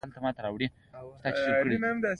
علي په خپلو کړنو سره د خپلو نیکونو قبرونه ولړزول.